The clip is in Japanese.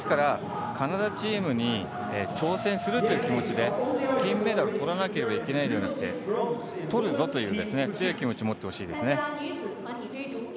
カナダチームに挑戦する気持ちで金メダルとらなければいけないじゃなくてとるぞという強い気持ちを持ってほしいですね。